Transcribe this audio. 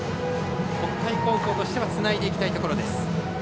北海高校としてはつないでいきたいところです。